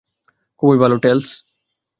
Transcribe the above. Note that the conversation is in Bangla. খুবই ভালো, টেলস।